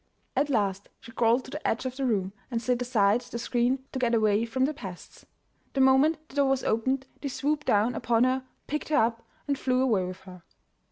At last she crawled to the edge of the room and slid aside the screen to get away from the pests. The moment the door was opened they swooped down upon her, picked her up, and flew away with her.